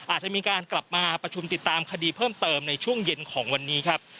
อาจจะมีการกลับมาประชุมติดตามคดีเพิ่มเติมในช่วงเย็นของวันนี้ครับ